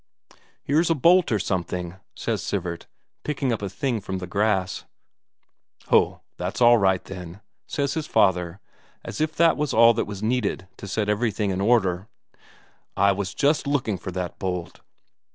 "Here's a bolt or something," says Sivert, picking up a thing from the grass. "Ho, that's all right, then," says his father, as if that was all that was needed to set everything in order. "I was just looking for that bolt."